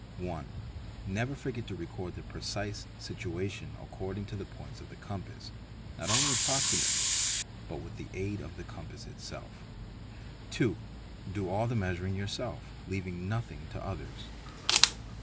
1. Never forget to record the precise situation according to the points of the compass, not only approximately but with the aid of the compass itself. | 2. Do all the measuring yourself, leaving nothing to others.